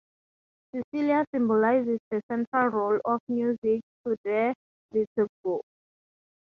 Cecilia symbolizes the central role of music to the liturgy.